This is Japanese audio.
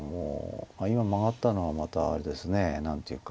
今マガったのはまたあれですね何というか。